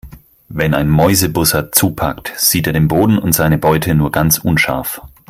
Wenn ein Mäusebussard zupackt, sieht er den Boden und seine Beute nur ganz unscharf.